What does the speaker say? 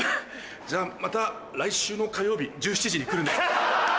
じゃあまた来週の火曜日１７時に来るね。